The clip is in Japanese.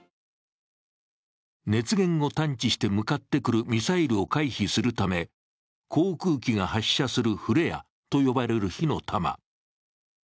熱源を探知して向かってくるミサイルを回避するため航空機が発射するフレアと呼ばれる火の玉。